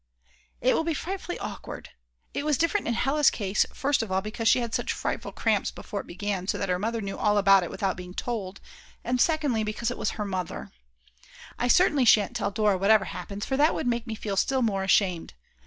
It will be frightfully awkward. It was different in Hella's case, first of all because she had such frightful cramps before it began so that her mother knew all about it without being told, and secondly because it was her mother. I certainly shan't tell Dora whatever happens, for that would make me feel still more ashamed.